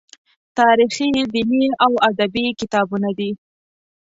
تاریخي، دیني او ادبي کتابونه دي.